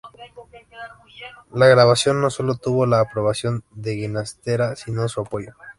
La grabación no solo tuvo la aprobación de Ginastera, sino su apoyo.